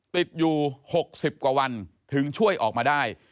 ติดอยู่๖๐กว่าวันถึงช่วยออกมาได้